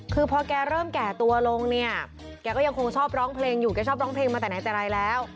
คือพอแกเริ่มแก่ตัวลงเนี่ยแกก็ยังคงชอบร้องเพลงอยู่แกชอบร้องเพลงมาแต่ไหนแต่ไรแล้ว